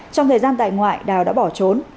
trong thời gian tại ngoại đào đã bỏ trốn